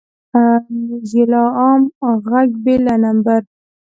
موزیلا عام غږ بې له نمبر